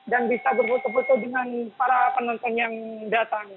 dan bisa berfoto foto dengan para penonton yang datang